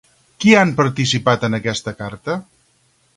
Qui han participat en aquesta carta?